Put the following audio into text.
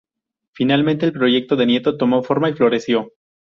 Finalmente el proyecto de Nieto tomó forma y floreció.